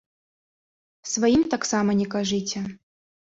Сваім таксама не кажыце.